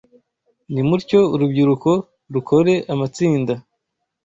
Nimutyo urubyiruko rukore amatsinda